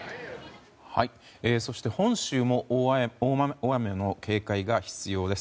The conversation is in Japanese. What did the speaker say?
そして、本州も大雨の警戒が必要です。